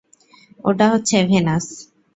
ওটা হচ্ছে ভেনাস!